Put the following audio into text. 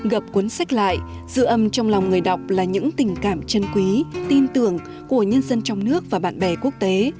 gặp cuốn sách lại dự âm trong lòng người đọc là những tình cảm chân quý tin tưởng của nhân dân trong nước và bạn bè quốc tế